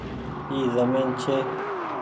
اي زمين ڇي۔